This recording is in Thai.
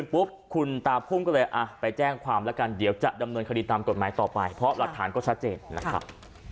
ไปแจ้งความละกันเดี๋ยวจะดำเนินคดีตามกฎหมายต่อไปเพราะหลักฐานก็ชัดเจนนะครับ